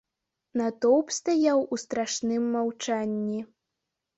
Натоўп стаяў у страшным маўчанні.